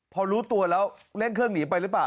พอรู้ตัวแล้วเร่งเครื่องหนีไปหรือเปล่า